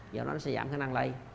giờ nó sẽ giảm khả năng lây